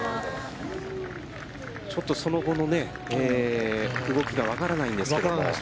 ちょっとその後の動きがわからないんですけれども。